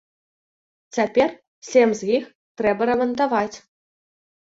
Цяпер сем з іх трэба рамантаваць.